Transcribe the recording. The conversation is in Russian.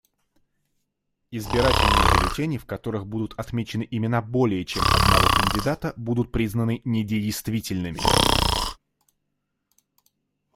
Избирательные бюллетени, в которых будут отмечены имена более чем одного кандидата, будут признаны недействительными.